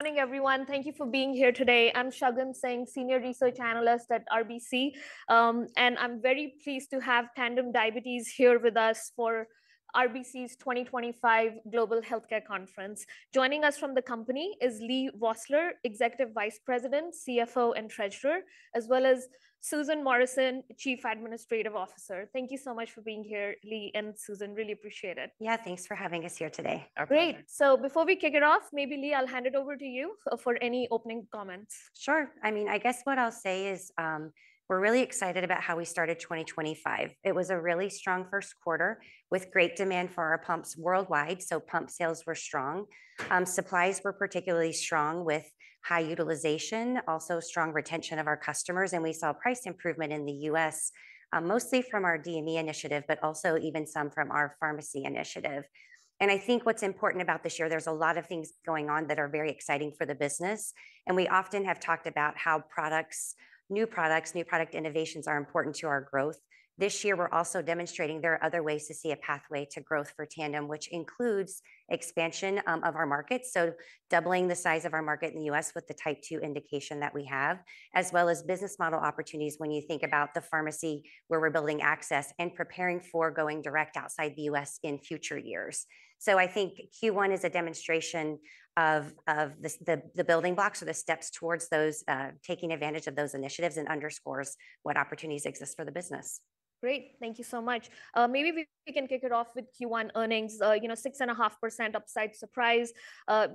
Morning, everyone. Thank you for being here today. I'm Singh, Senior Research Analyst at RBC, and I'm very pleased to have Tandem Diabetes Care here with us for RBC's 2025 Global Healthcare Conference. Joining us from the company is Leigh Vosseller, Executive Vice President, CFO, and Treasurer, as well as Susan Morrison, Chief Administrative Officer. Thank you so much for being here, Leigh and Susan. Really appreciate it. Yeah, thanks for having us here today. Great. Before we kick it off, maybe, Leigh, I'll hand it over to you for any opening comments. Sure. I mean, I guess what I'll say is we're really excited about how we started 2025. It was a really strong first quarter with great demand for our pumps worldwide. Pump sales were strong. Supplies were particularly strong with high utilization, also strong retention of our customers. We saw price improvement in the U.S., mostly from our DME initiative, but also even some from our pharmacy initiative. I think what's important about this year, there's a lot of things going on that are very exciting for the business. We often have talked about how products, new products, new product innovations are important to our growth. This year, we're also demonstrating there are other ways to see a pathway to growth for Tandem, which includes expansion of our market. Doubling the size of our market in the U.S. with the type two indication that we have, as well as business model opportunities when you think about the pharmacy where we're building access and preparing for going direct outside the U.S. in future years. I think Q1 is a demonstration of the building blocks or the steps towards those, taking advantage of those initiatives and underscores what opportunities exist for the business. Great. Thank you so much. Maybe we can kick it off with Q1 earnings, you know, 6.5% upside surprise,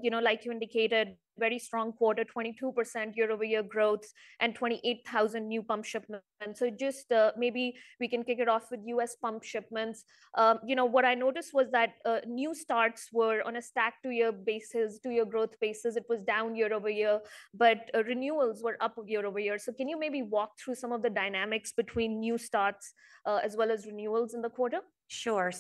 you know, like you indicated, very strong quarter, 22% year over year growth and 28,000 new pump shipments. Just maybe we can kick it off with U.S. pump shipments. You know, what I noticed was that new starts were on a stack to year basis, to year growth basis. It was down year over year, but renewals were up year over year. Can you maybe walk through some of the dynamics between new starts as well as renewals in the quarter? Sure.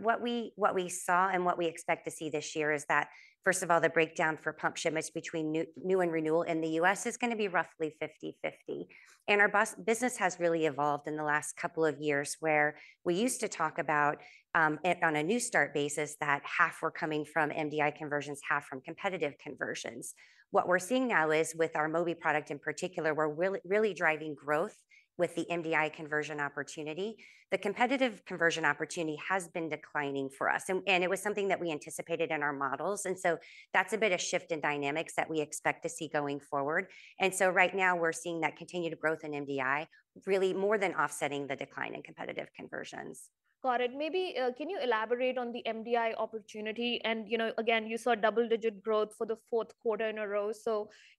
What we saw and what we expect to see this year is that, first of all, the breakdown for pump shipments between new and renewal in the U.S. is going to be roughly 50/50. Our business has really evolved in the last couple of years where we used to talk about it on a new start basis that half were coming from MDI conversions, half from competitive conversions. What we are seeing now is with our Mobi product in particular, we are really driving growth with the MDI conversion opportunity. The competitive conversion opportunity has been declining for us. It was something that we anticipated in our models. That is a bit of a shift in dynamics that we expect to see going forward. Right now we are seeing that continued growth in MDI really more than offsetting the decline in competitive conversions. Got it. Maybe can you elaborate on the MDI opportunity? You know, again, you saw double-digit growth for the fourth quarter in a row.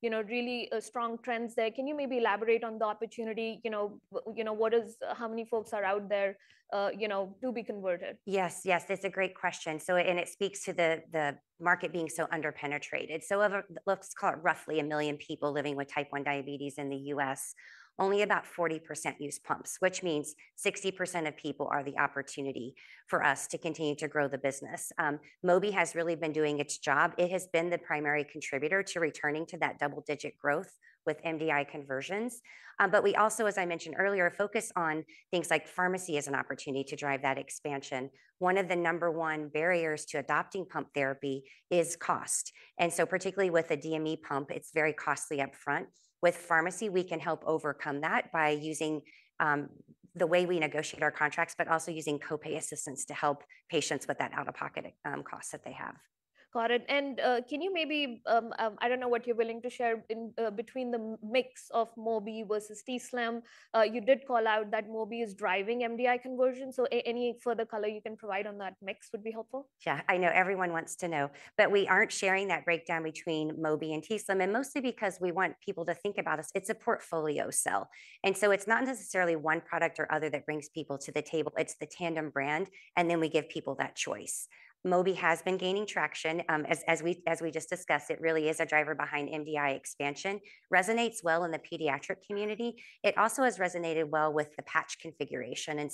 You know, really strong trends there. Can you maybe elaborate on the opportunity? You know, what is, how many folks are out there, you know, to be converted? Yes, yes. That's a great question. It speaks to the market being so underpenetrated. Let's call it roughly a million people living with type one diabetes in the US, only about 40% use pumps, which means 60% of people are the opportunity for us to continue to grow the business. Mobi has really been doing its job. It has been the primary contributor to returning to that double-digit growth with MDI conversions. We also, as I mentioned earlier, focus on things like pharmacy as an opportunity to drive that expansion. One of the number one barriers to adopting pump therapy is cost. Particularly with a DME pump, it's very costly upfront. With pharmacy, we can help overcome that by using the way we negotiate our contracts, but also using copay assistance to help patients with that out-of-pocket cost that they have. Got it. Can you maybe, I do not know what you are willing to share in between the mix of Mobi versus t:slim, you did call out that Mobi is driving MDI conversion. Any further color you can provide on that mix would be helpful. Yeah, I know everyone wants to know, but we aren't sharing that breakdown between Mobi and t:slim, and mostly because we want people to think about us. It's a portfolio sell. It's not necessarily one product or the other that brings people to the table. It's the Tandem brand. We give people that choice. Mobi has been gaining traction as we just discussed. It really is a driver behind MDI expansion. Resonates well in the pediatric community. It also has resonated well with the patch configuration.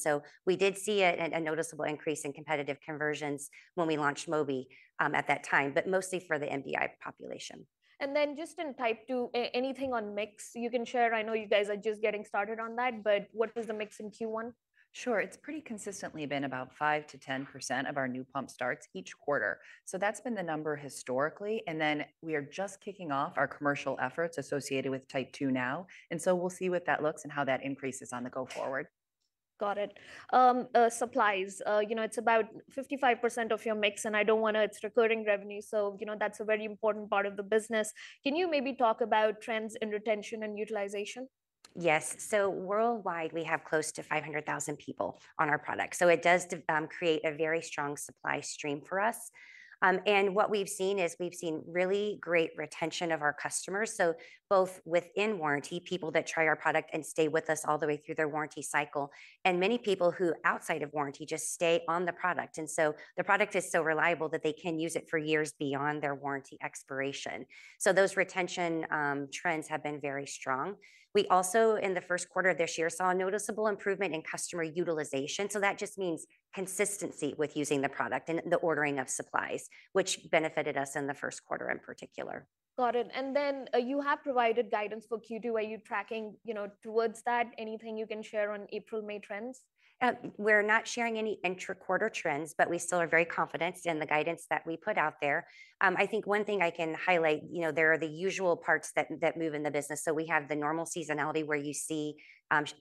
We did see a noticeable increase in competitive conversions when we launched Mobi at that time, but mostly for the MDI population. In type two, anything on mix you can share? I know you guys are just getting started on that, but what was the mix in Q1? Sure. It has pretty consistently been about 5-10% of our new pump starts each quarter. That has been the number historically. We are just kicking off our commercial efforts associated with type two now. We will see what that looks like and how that increases on the go forward. Got it. Supplies, you know, it's about 55% of your mix and I don't want to, it's recurring revenue. So, you know, that's a very important part of the business. Can you maybe talk about trends in retention and utilization? Yes. Worldwide, we have close to 500,000 people on our product. It does create a very strong supply stream for us. What we've seen is we've seen really great retention of our customers. Both within warranty, people that try our product and stay with us all the way through their warranty cycle, and many people who, outside of warranty, just stay on the product. The product is so reliable that they can use it for years beyond their warranty expiration. Those retention trends have been very strong. We also, in the first quarter of this year, saw a noticeable improvement in customer utilization. That just means consistency with using the product and the ordering of supplies, which benefited us in the first quarter in particular. Got it. You have provided guidance for Q2. Are you tracking, you know, towards that? Anything you can share on April, May trends? We're not sharing any intra-quarter trends, but we still are very confident in the guidance that we put out there. I think one thing I can highlight, you know, there are the usual parts that move in the business. We have the normal seasonality where you see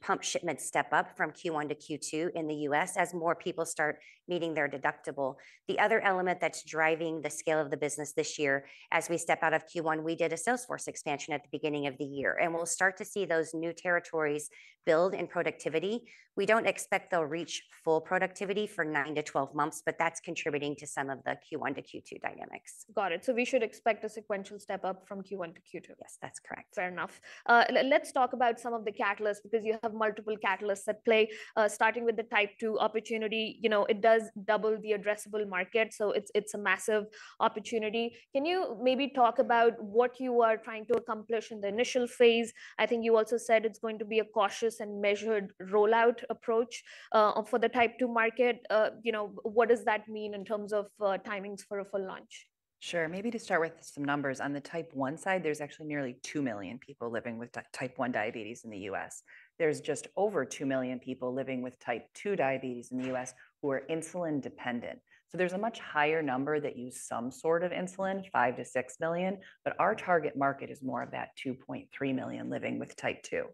pump shipments step up from Q1 to Q2 in the U.S. as more people start meeting their deductible. The other element that's driving the scale of the business this year, as we step out of Q1, we did a Salesforce expansion at the beginning of the year, and we'll start to see those new territories build in productivity. We don't expect they'll reach full productivity for nine to twelve months, but that's contributing to some of the Q1 to Q2 dynamics. Got it. So we should expect a sequential step up from Q1 to Q2. Yes, that's correct. Fair enough. Let's talk about some of the catalysts because you have multiple catalysts at play, starting with the type two opportunity. You know, it does double the addressable market. So it's a massive opportunity. Can you maybe talk about what you are trying to accomplish in the initial phase? I think you also said it's going to be a cautious and measured rollout approach for the type two market. You know, what does that mean in terms of timings for a full launch? Sure. Maybe to start with some numbers on the type one side, there's actually nearly 2 million people living with type one diabetes in the U.S. There's just over 2 million people living with type two diabetes in the U.S. who are insulin dependent. There's a much higher number that use some sort of insulin, 5-6 million, but our target market is more of that 2.3 million living with type two.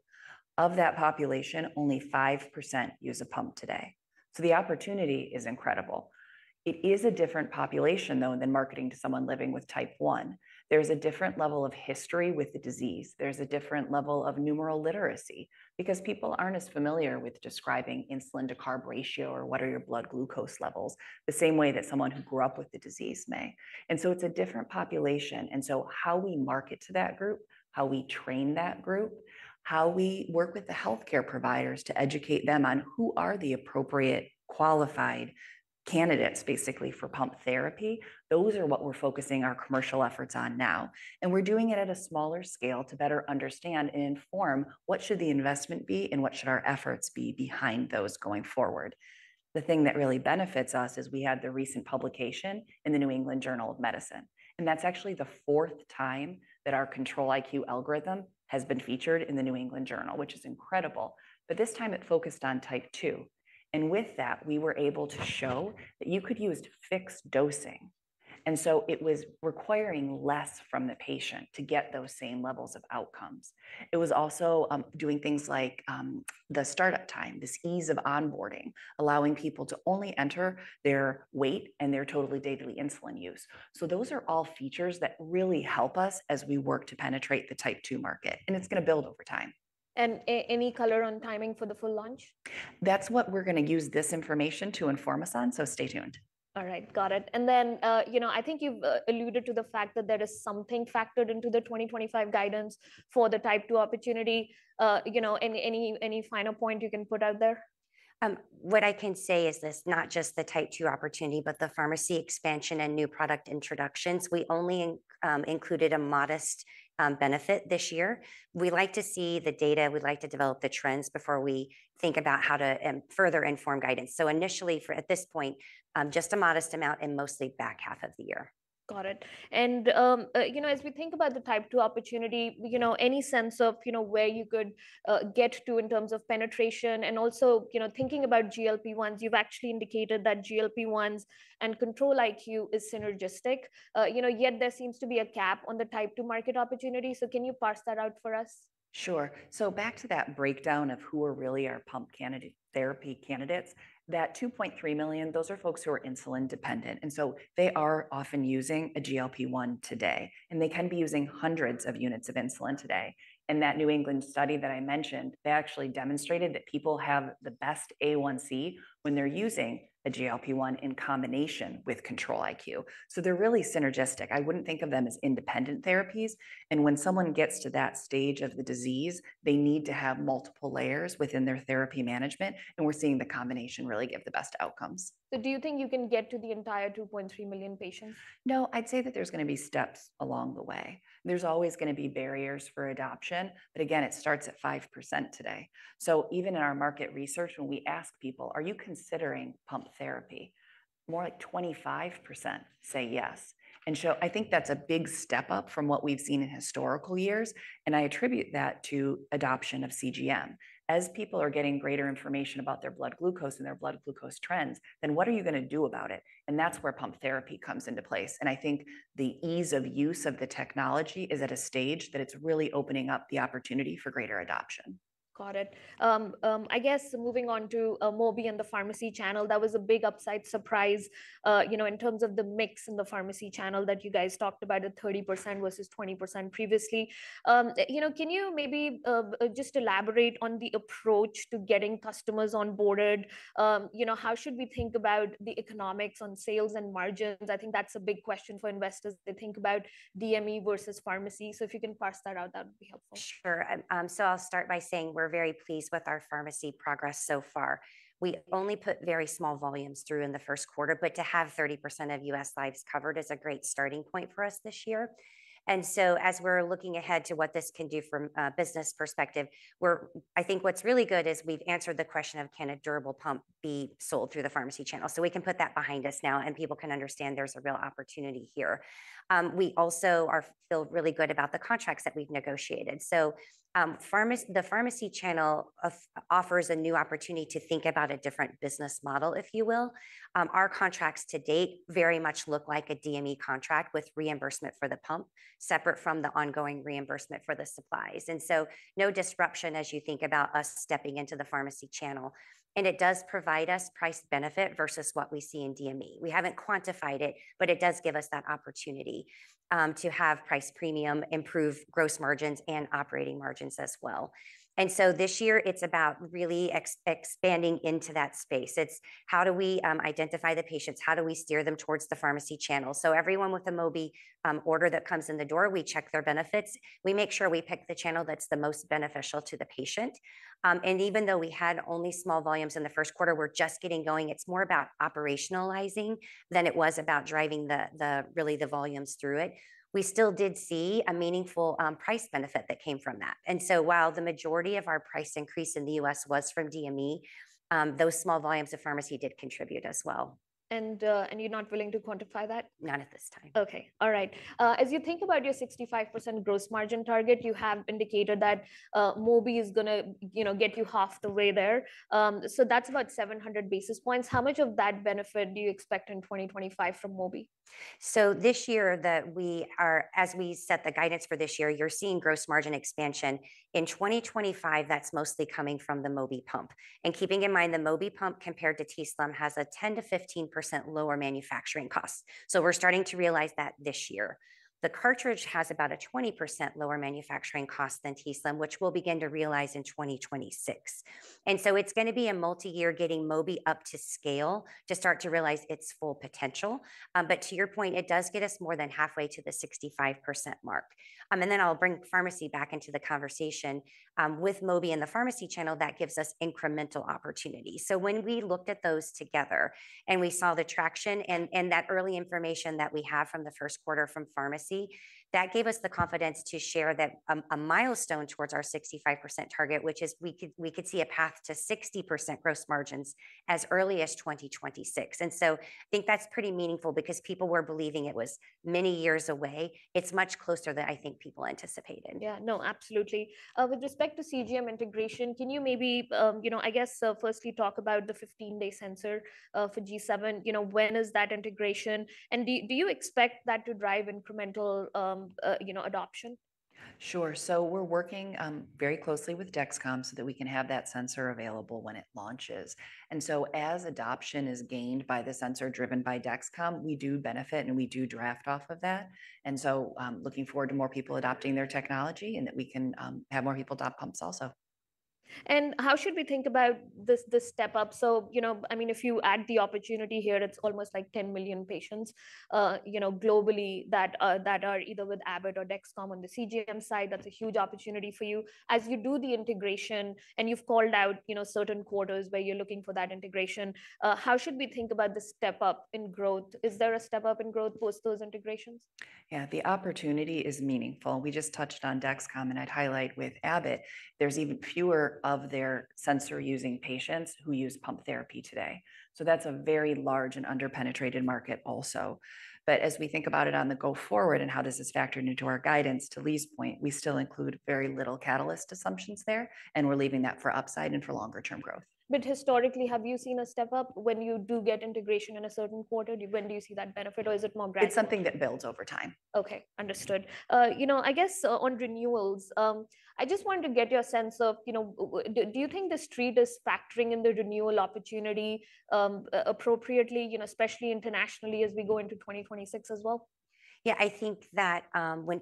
Of that population, only 5% use a pump today. The opportunity is incredible. It is a different population, though, than marketing to someone living with type one. There's a different level of history with the disease. There's a different level of numeral literacy because people aren't as familiar with describing insulin to carb ratio or what are your blood glucose levels the same way that someone who grew up with the disease may. It is a different population. How we market to that group, how we train that group, how we work with the healthcare providers to educate them on who are the appropriate qualified candidates basically for pump therapy, those are what we are focusing our commercial efforts on now. We are doing it at a smaller scale to better understand and inform what should the investment be and what should our efforts be behind those going forward. The thing that really benefits us is we had the recent publication in the New England Journal of Medicine. That is actually the fourth time that our Control-IQ algorithm has been featured in the New England Journal, which is incredible. This time it focused on type two. With that, we were able to show that you could use fixed dosing. It was requiring less from the patient to get those same levels of outcomes. It was also doing things like the startup time, this ease of onboarding, allowing people to only enter their weight and their total daily insulin use. Those are all features that really help us as we work to penetrate the type two market. It is going to build over time. Any color on timing for the full launch? That's what we're going to use this information to inform us on. Stay tuned. All right. Got it. You know, I think you've alluded to the fact that there is something factored into the 2025 guidance for the type two opportunity. You know, any final point you can put out there? What I can say is this, not just the type two opportunity, but the pharmacy expansion and new product introductions. We only included a modest benefit this year. We like to see the data. We like to develop the trends before we think about how to further inform guidance. Initially at this point, just a modest amount in mostly back half of the year. Got it. You know, as we think about the type two opportunity, any sense of where you could get to in terms of penetration? Also, thinking about GLP-1s, you've actually indicated that GLP-1s and Control-IQ is synergistic. Yet there seems to be a cap on the type two market opportunity. Can you parse that out for us? Sure. Back to that breakdown of who are really our pump therapy candidates, that 2.3 million, those are folks who are insulin dependent. They are often using a GLP-1 today, and they can be using hundreds of units of insulin today. That New England study that I mentioned, they actually demonstrated that people have the best A1C when they're using a GLP-1 in combination with Control-IQ. They are really synergistic. I would not think of them as independent therapies. When someone gets to that stage of the disease, they need to have multiple layers within their therapy management. We are seeing the combination really give the best outcomes. Do you think you can get to the entire 2.3 million patients? No, I'd say that there's going to be steps along the way. There's always going to be barriers for adoption. Again, it starts at 5% today. Even in our market research, when we ask people, are you considering pump therapy, more like 25% say yes. I think that's a big step up from what we've seen in historical years. I attribute that to adoption of CGM. As people are getting greater information about their blood glucose and their blood glucose trends, then what are you going to do about it? That's where pump therapy comes into place. I think the ease of use of the technology is at a stage that it's really opening up the opportunity for greater adoption. Got it. I guess moving on to Mobi and the pharmacy channel, that was a big upside surprise, you know, in terms of the mix in the pharmacy channel that you guys talked about at 30% versus 20% previously. You know, can you maybe just elaborate on the approach to getting customers onboarded? You know, how should we think about the economics on sales and margins? I think that's a big question for investors to think about DME versus pharmacy. If you can parse that out, that would be helpful. Sure. I'll start by saying we're very pleased with our pharmacy progress so far. We only put very small volumes through in the first quarter, but to have 30% of US lives covered is a great starting point for us this year. As we're looking ahead to what this can do from a business perspective, I think what's really good is we've answered the question of can a durable pump be sold through the pharmacy channel. We can put that behind us now and people can understand there's a real opportunity here. We also feel really good about the contracts that we've negotiated. The pharmacy channel offers a new opportunity to think about a different business model, if you will. Our contracts to date very much look like a DME contract with reimbursement for the pump separate from the ongoing reimbursement for the supplies. No disruption as you think about us stepping into the pharmacy channel. It does provide us price benefit versus what we see in DME. We have not quantified it, but it does give us that opportunity to have price premium, improve gross margins and operating margins as well. This year it is about really expanding into that space. It is how do we identify the patients? How do we steer them towards the pharmacy channel? Everyone with a Mobi order that comes in the door, we check their benefits. We make sure we pick the channel that is the most beneficial to the patient. Even though we had only small volumes in the first quarter, we are just getting going. It is more about operationalizing than it was about driving the volumes through it. We still did see a meaningful price benefit that came from that. While the majority of our price increase in the U.S. was from DME, those small volumes of pharmacy did contribute as well. You're not willing to quantify that? Not at this time. Okay. All right. As you think about your 65% gross margin target, you have indicated that Mobi is going to, you know, get you half the way there. So that's about 700 basis points. How much of that benefit do you expect in 2025 from Mobi? This year, as we set the guidance for this year, you're seeing gross margin expansion. In 2025, that's mostly coming from the Mobi pump. Keeping in mind the Mobi pump compared to t:slim X2 has a 10-15% lower manufacturing cost. We're starting to realize that this year. The cartridge has about a 20% lower manufacturing cost than t:slim X2, which we'll begin to realize in 2026. It's going to be a multi-year getting Mobi up to scale to start to realize its full potential. To your point, it does get us more than halfway to the 65% mark. I'll bring pharmacy back into the conversation with Mobi and the pharmacy channel that gives us incremental opportunity. When we looked at those together and we saw the traction and that early information that we have from the first quarter from pharmacy, that gave us the confidence to share that a milestone towards our 65% target, which is we could see a path to 60% gross margins as early as 2026. I think that's pretty meaningful because people were believing it was many years away. It's much closer than I think people anticipated. Yeah, no, absolutely. With respect to CGM integration, can you maybe, you know, I guess first we talk about the 15-day sensor for G7, you know, when is that integration? And do you expect that to drive incremental, you know, adoption? Sure. We are working very closely with Dexcom so that we can have that sensor available when it launches. As adoption is gained by the sensor driven by Dexcom, we do benefit and we do draft off of that. I am looking forward to more people adopting their technology and that we can have more people adopt pumps also. How should we think about this step up? You know, I mean, if you add the opportunity here, it's almost like 10 million patients, you know, globally that are either with Abbott or Dexcom on the CGM side. That's a huge opportunity for you. As you do the integration and you've called out, you know, certain quarters where you're looking for that integration, how should we think about the step up in growth? Is there a step up in growth post those integrations? Yeah, the opportunity is meaningful. We just touched on Dexcom and I'd highlight with Abbott, there's even fewer of their sensor-using patients who use pump therapy today. That is a very large and under-penetrated market also. As we think about it on the go forward and how does this factor into our guidance, to Leigh's point, we still include very little catalyst assumptions there and we're leaving that for upside and for longer-term growth. Historically, have you seen a step up when you do get integration in a certain quarter? When do you see that benefit, or is it more gradual? It's something that builds over time. Okay, understood. You know, I guess on renewals, I just wanted to get your sense of, you know, do you think the street is factoring in the renewal opportunity appropriately, you know, especially internationally as we go into 2026 as well? Yeah, I think that when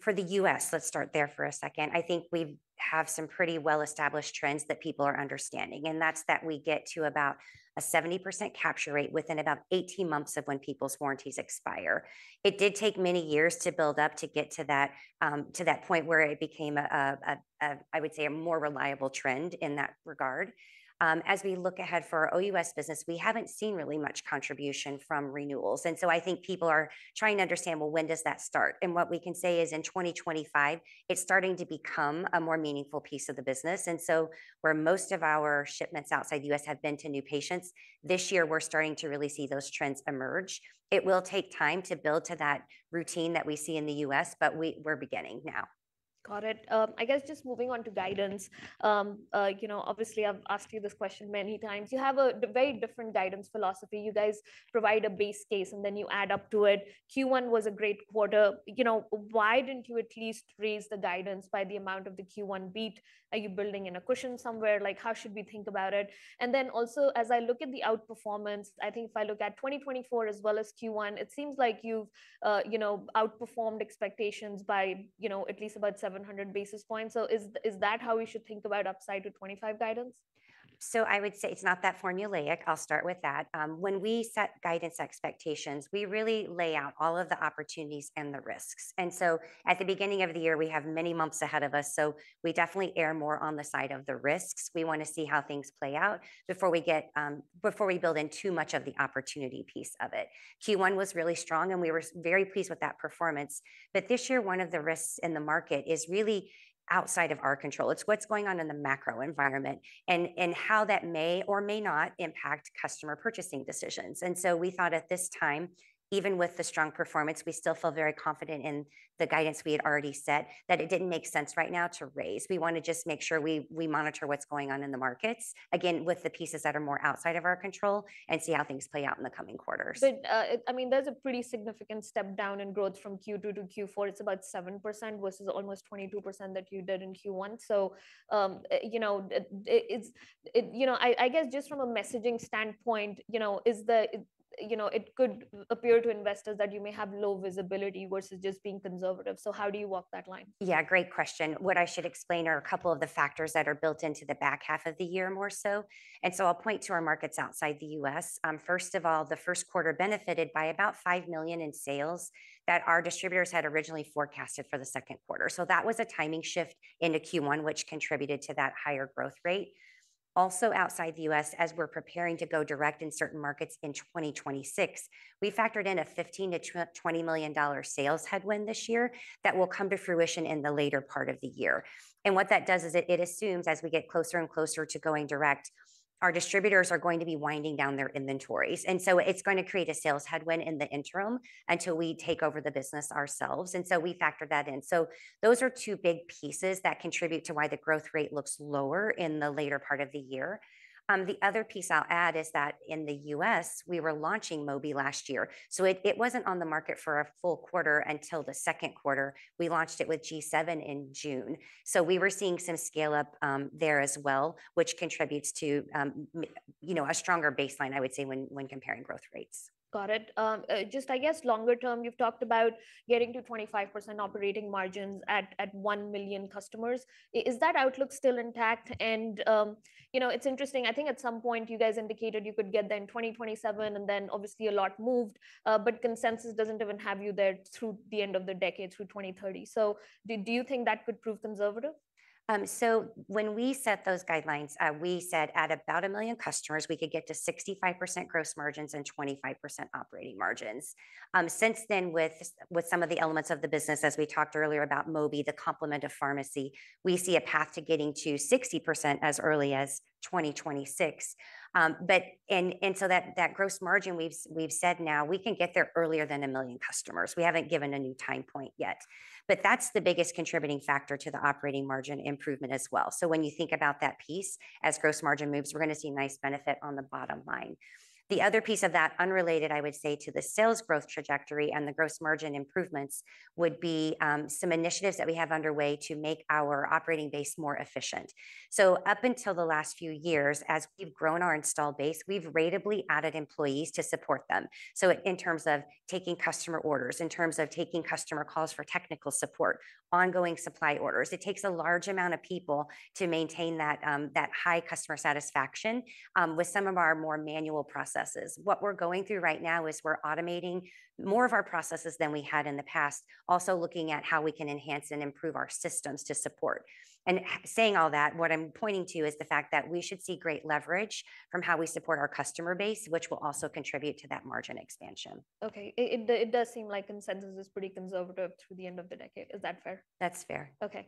for the U.S., let's start there for a second. I think we have some pretty well-established trends that people are understanding. That's that we get to about a 70% capture rate within about 18 months of when people's warranties expire. It did take many years to build up to get to that point where it became, I would say, a more reliable trend in that regard. As we look ahead for our OUS business, we haven't seen really much contribution from renewals. I think people are trying to understand, well, when does that start? What we can say is in 2025, it's starting to become a more meaningful piece of the business. Where most of our shipments outside the U.S. have been to new patients, this year we're starting to really see those trends emerge. It will take time to build to that routine that we see in the U.S., but we're beginning now. Got it. I guess just moving on to guidance, you know, obviously I've asked you this question many times. You have a very different guidance philosophy. You guys provide a base case and then you add up to it. Q1 was a great quarter. You know, why didn't you at least raise the guidance by the amount of the Q1 beat? Are you building in a cushion somewhere? Like how should we think about it? And then also, as I look at the outperformance, I think if I look at 2024 as well as Q1, it seems like you've, you know, outperformed expectations by, you know, at least about 700 basis points. So is that how we should think about upside to 2025 guidance? I would say it's not that formulaic. I'll start with that. When we set guidance expectations, we really lay out all of the opportunities and the risks. At the beginning of the year, we have many months ahead of us. We definitely err more on the side of the risks. We want to see how things play out before we build in too much of the opportunity piece of it. Q1 was really strong and we were very pleased with that performance. This year, one of the risks in the market is really outside of our control. It's what's going on in the macro environment and how that may or may not impact customer purchasing decisions. We thought at this time, even with the strong performance, we still feel very confident in the guidance we had already set that it did not make sense right now to raise. We want to just make sure we monitor what is going on in the markets, again, with the pieces that are more outside of our control and see how things play out in the coming quarters. I mean, there's a pretty significant step down in growth from Q2 to Q4. It's about 7% versus almost 22% that you did in Q1. So, you know, I guess just from a messaging standpoint, you know, it could appear to investors that you may have low visibility versus just being conservative. How do you walk that line? Yeah, great question. What I should explain are a couple of the factors that are built into the back half of the year more so. I'll point to our markets outside the U.S. First of all, the first quarter benefited by about $5 million in sales that our distributors had originally forecasted for the second quarter. That was a timing shift into Q1, which contributed to that higher growth rate. Also outside the U.S., as we're preparing to go direct in certain markets in 2026, we factored in a $15 million-$20 million sales headwind this year that will come to fruition in the later part of the year. What that does is it assumes as we get closer and closer to going direct, our distributors are going to be winding down their inventories. It is going to create a sales headwind in the interim until we take over the business ourselves. We factor that in. Those are two big pieces that contribute to why the growth rate looks lower in the later part of the year. The other piece I'll add is that in the U.S., we were launching Mobi last year. It was not on the market for a full quarter until the second quarter. We launched it with G7 in June. We were seeing some scale-up there as well, which contributes to, you know, a stronger baseline, I would say, when comparing growth rates. Got it. Just I guess longer term, you've talked about getting to 25% operating margins at 1 million customers. Is that outlook still intact? You know, it's interesting. I think at some point you guys indicated you could get there in 2027 and then obviously a lot moved, but consensus doesn't even have you there through the end of the decade, through 2030. Do you think that could prove conservative? When we set those guidelines, we said at about a million customers, we could get to 65% gross margins and 25% operating margins. Since then, with some of the elements of the business, as we talked earlier about Mobi, the complement of pharmacy, we see a path to getting to 60% as early as 2026. That gross margin, we've said now, we can get there earlier than a million customers. We have not given a new time point yet. That is the biggest contributing factor to the operating margin improvement as well. When you think about that piece, as gross margin moves, we are going to see a nice benefit on the bottom line. The other piece of that unrelated, I would say, to the sales growth trajectory and the gross margin improvements would be some initiatives that we have underway to make our operating base more efficient. Up until the last few years, as we've grown our install base, we've ratably added employees to support them. In terms of taking customer orders, in terms of taking customer calls for technical support, ongoing supply orders, it takes a large amount of people to maintain that high customer satisfaction with some of our more manual processes. What we're going through right now is we're automating more of our processes than we had in the past, also looking at how we can enhance and improve our systems to support. Saying all that, what I'm pointing to is the fact that we should see great leverage from how we support our customer base, which will also contribute to that margin expansion. Okay. It does seem like consensus is pretty conservative through the end of the decade. Is that fair? That's fair. Okay.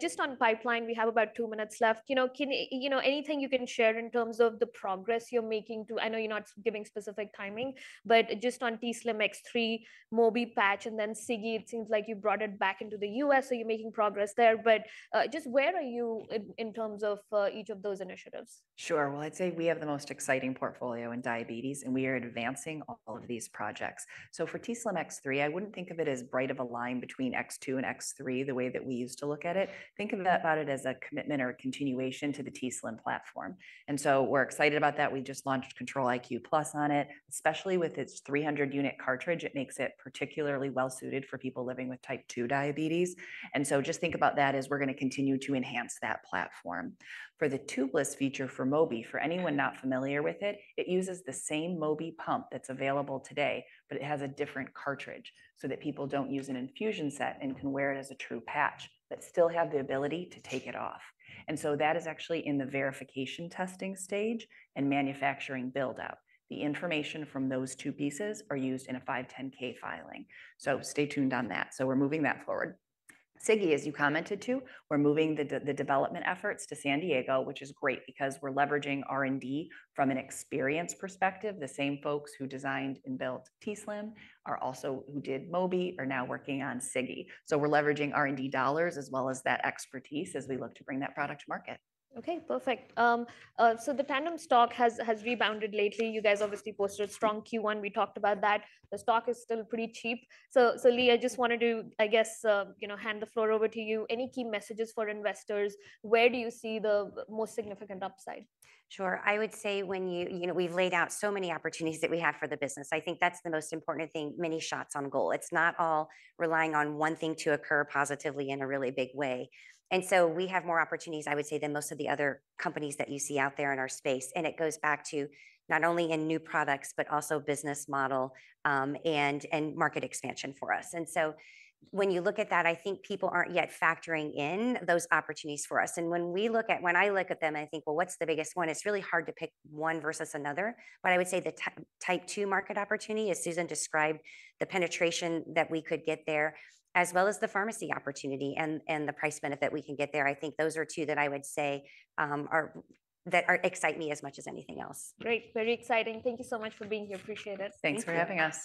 Just on pipeline, we have about 2 minutes left. You know, can you know anything you can share in terms of the progress you're making to, I know you're not giving specific timing, but just on t:slim X3, Mobi Patch, and then Sigi, it seems like you brought it back into the U.S., so you're making progress there. Just where are you in terms of each of those initiatives? Sure. I would say we have the most exciting portfolio in diabetes, and we are advancing all of these projects. For t:slim X3, I would not think of it as as bright of a line between X2 and X3 the way that we used to look at it. Think about it as a commitment or a continuation to the t:slim platform. We are excited about that. We just launched Control-IQ Plus on it, especially with its 300-unit cartridge. It makes it particularly well-suited for people living with type 2 diabetes. Just think about that as we are going to continue to enhance that platform. For the tubeless feature for Mobi, for anyone not familiar with it, it uses the same Mobi pump that's available today, but it has a different cartridge so that people don't use an infusion set and can wear it as a true patch, but still have the ability to take it off. That is actually in the verification testing stage and manufacturing build-up. The information from those two pieces are used in a 510(k) filing. Stay tuned on that. We're moving that forward. Sigi, as you commented to, we're moving the development efforts to San Diego, which is great because we're leveraging R&D from an experience perspective. The same folks who designed and built t:slim, who did Mobi, are now working on Sigi. We're leveraging R&D dollars as well as that expertise as we look to bring that product to market. Okay, perfect. The Tandem stock has rebounded lately. You guys obviously posted a strong Q1. We talked about that. The stock is still pretty cheap. Leigh, I just wanted to, I guess, you know, hand the floor over to you. Any key messages for investors? Where do you see the most significant upside? Sure. I would say when you, you know, we've laid out so many opportunities that we have for the business. I think that's the most important thing: many shots on goal. It's not all relying on one thing to occur positively in a really big way. We have more opportunities, I would say, than most of the other companies that you see out there in our space. It goes back to not only new products, but also business model and market expansion for us. When you look at that, I think people aren't yet factoring in those opportunities for us. When we look at, when I look at them, I think, well, what's the biggest one? It's really hard to pick one versus another. I would say the type two market opportunity, as Susan described, the penetration that we could get there, as well as the pharmacy opportunity and the price benefit we can get there, I think those are two that I would say that excite me as much as anything else. Great. Very exciting. Thank you so much for being here. Appreciate it. Thanks for having us.